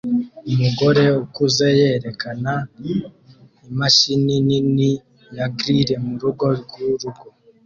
Umugore ukuze yerekana imashini nini ya grill murugo rwurugo